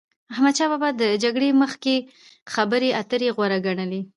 احمدشا بابا به د جګړی مخکي خبري اتري غوره ګڼلې.